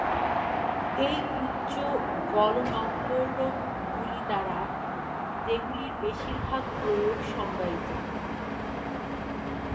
এই উচ্চ গলনম্বরকগুলি দ্বারা এগুলির বেশিরভাগ প্রয়োগ সংজ্ঞায়িত।